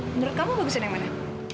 menurut kamu bagusin yang mana